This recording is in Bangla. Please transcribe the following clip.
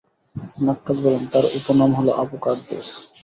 নাক্কাশ বলেন, তার উপনাম হলো আবু কারদূস।